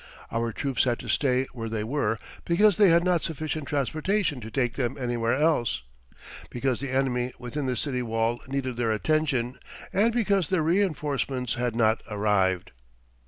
Our troops had to stay where they were because they had not sufficient transportation to take them anywhere else, because the enemy within the city still needed their attention, and because their reinforcements had not arrived.